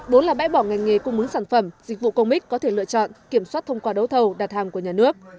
bốn là bãi bỏ ngành nghề cung mứng sản phẩm dịch vụ công ích có thể lựa chọn kiểm soát thông qua đấu thầu đạt hàng của nhà nước